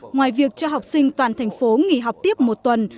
ngoài việc cho học sinh toàn thành phố nghỉ học tiếp một tuần